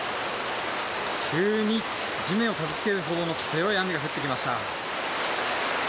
急に、地面をたたきつけるほどの強い雨が降ってきました。